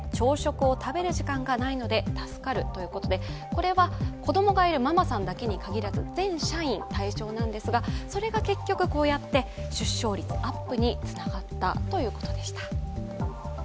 これは子供がいるママさんだけに限らず全社員対象なんですがそれが結局、こうやって出生率アップにつながったということでした。